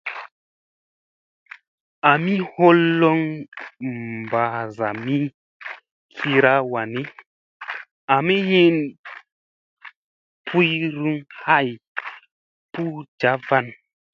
Ami holoŋ mbazami slira wani, ami hin puuryŋ lay, puu njavaŋ.